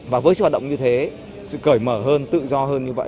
và với sự hoạt động như thế sự cởi mở hơn tự do hơn như vậy